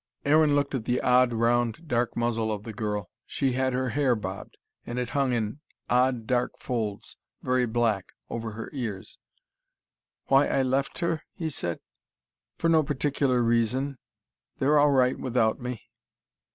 Aaron looked at the odd, round, dark muzzle of the girl. She had had her hair bobbed, and it hung in odd dark folds, very black, over her ears. "Why I left her?" he said. "For no particular reason. They're all right without me."